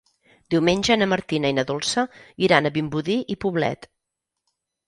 Diumenge na Martina i na Dolça iran a Vimbodí i Poblet.